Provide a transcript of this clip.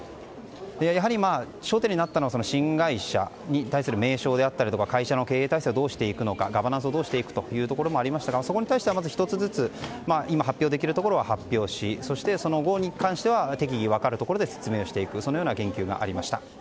やはり焦点になったのは新会社に対する名称であったりとか会社の経営体制をどうしていくのかガバナンスをどうしていくのかがありましたがそこに対しては１つずつ今、発表できるところは発表し、そしてその後に関しては適宜分かるところで説明していくそのような言及がありました。